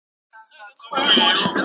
زه هره ورځ سينه سپين کوم!!